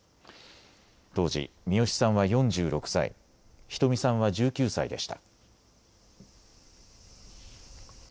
当時、ミヨシさんは４６歳、ひとみさんは１９歳でした。